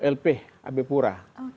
lp ab pura